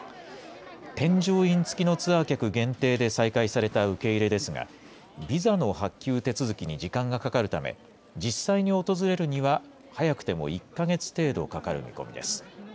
添乗員付きのツアー客限定で再開された受け入れですが、ビザの発給手続きに時間がかかるため、実際に訪れるには、早くても１か月程度かかる見込みです。